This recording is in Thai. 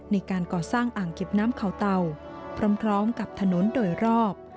ในการก่อสร้างอ่างเก็บน้ำเขาเตาพร้อมกับถนนโดยรอบ